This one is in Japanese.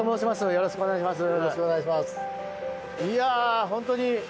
よろしくお願いします。